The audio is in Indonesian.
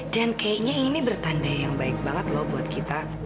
dan kayaknya ini bertanda yang baik banget loh buat kita